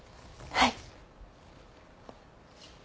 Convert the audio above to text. はい。